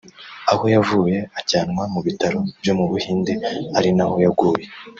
aho yavuye ajyanwa mu bitaro byo mu Buhinde ari naho yaguye